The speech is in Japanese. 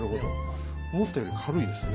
思ったより軽いですね。